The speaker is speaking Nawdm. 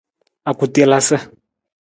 Akutelasa.